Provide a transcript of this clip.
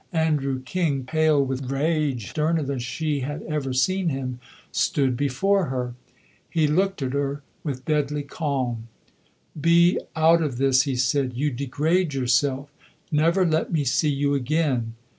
Andrew King, pale with rage, sterner than she had ever seen him, stood before her. He looked at her with deadly calm. "Be out of this," he said; "you degrade yourself. Never let me see you again."